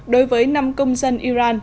đối với năm công dân iran